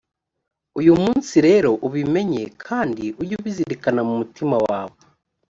uyu munsi rero ubimenye kandi ujye ubizirikana mu mutima wawe: